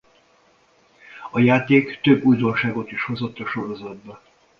A játék több újdonságot is hozott a sorozatba.